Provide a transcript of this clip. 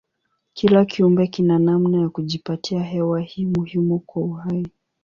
Kila kiumbe kina namna ya kujipatia hewa hii muhimu kwa uhai.